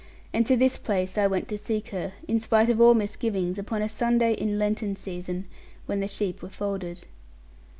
And to this place I went to seek her, in spite of all misgivings, upon a Sunday in Lenten season, when the sheep were folded.